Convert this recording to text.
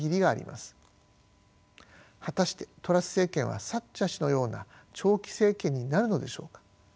果たしてトラス政権はサッチャー氏のような長期政権になるのでしょうか。